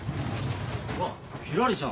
あっひらりちゃん。